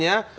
yang gitu ya